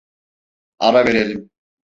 Ara verelim.